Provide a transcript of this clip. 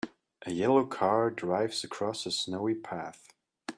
A yellow car drives across a snowy path.